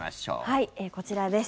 はい、こちらです。